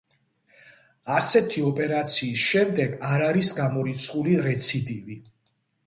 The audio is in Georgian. ასეთი ოპერაციის შემდეგ არ არის გამორიცხული რეციდივი.